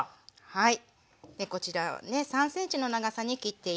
はい。